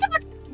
ya udah cepet